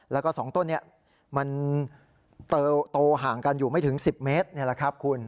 แล้วก็๒ต้นนี้มันโตห่างกันอยู่ไม่ถึง๑๐เมตรนี่แหละครับคุณ